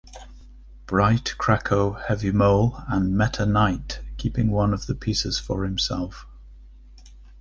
Bright, Kracko, Heavy Mole, and Meta Knight, keeping one of the pieces for himself.